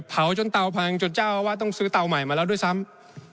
จนเตาพังจนเจ้าอาวาสต้องซื้อเตาใหม่มาแล้วด้วยซ้ำ